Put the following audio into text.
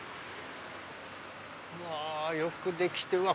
うわよくできて。